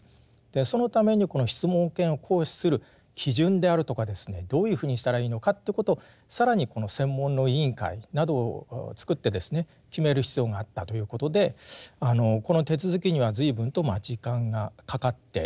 そのためにこの質問権を行使する基準であるとかですねどういうふうにしたらいいのかということを更にこの専門の委員会などを作って決める必要があったということでこの手続きには随分とまあ時間がかかっております。